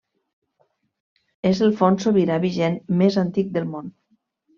És el fons sobirà vigent més antic del món.